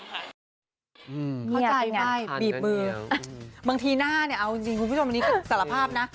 เข้าใจไหมบีบมือบางทีหน้าเนี่ยเอาจริงคุณผู้ชมอันนี้ก็สารภาพนะ